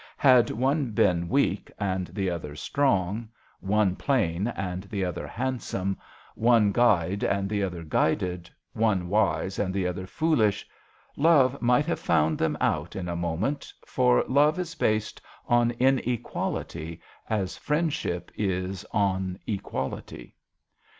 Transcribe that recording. Had one been weak and the other strong, one plain and the other hand 32 JOHN SHERMAN. some, one guide and the other guided, one wise and the other foolish, love might have found them out in a moment, for love is based on inequality as friend ship is on equality.